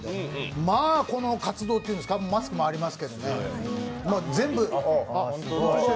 まあ、この活動というんですか、マスクもありますけどね。